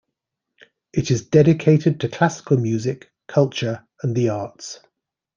It is dedicated to classical music, culture, and the arts.